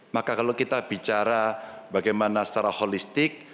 maka kalau kita bicara bagaimana secara holistik